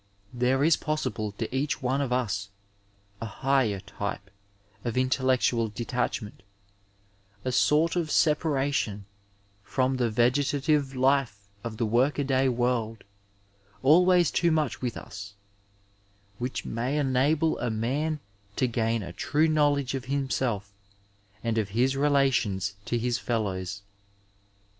There is possible to. each one of us a higher type of intellectual detachment, a sort of separation from the vegetative life of the work a day world — ^always too much with us — ^which may enable a man to gain a true knowledge of himself and of his relations to his fellows.